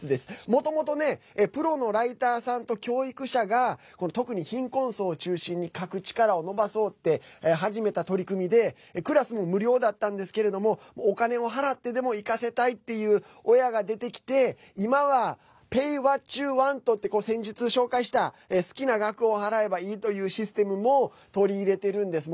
もともとねプロのライターさんと教育者が特に貧困層を中心に書く力を伸ばそうって始めた取り組みで、クラスも無料だったんですけれどもお金を払ってでも行かせたいっていう親が出てきて今は、Ｐａｙｗｈａｔｙｏｕｗａｎｔって先日、紹介した好きな額を払えばいいというシステムも取り入れてるんです。